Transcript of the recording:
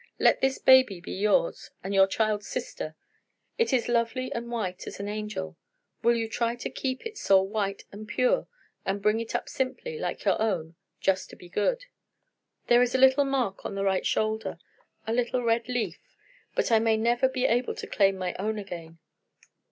Let this baby be yours, and your child's sister. It is lovely and white as an angel. Will you try to keep its soul white and pure, and bring it up simply, like your own, just to be good? There is a little mark on the right shoulder a little red leaf. But I may never be able to claim my own again.